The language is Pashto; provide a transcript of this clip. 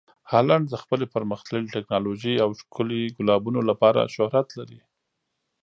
هالنډ د خپلې پرمخ تللې ټکنالوژۍ او ښکلي ګلابونو لپاره شهرت لري.